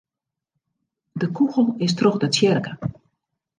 De kûgel is troch de tsjerke.